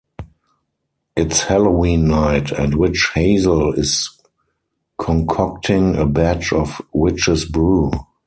It's Halloween night, and Witch Hazel is concocting a batch of witch's brew.